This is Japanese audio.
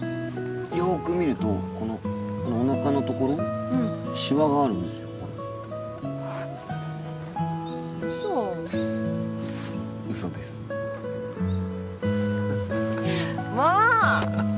よく見るとこのこのおなかのところシワがあるんですよほら嘘嘘ですもう！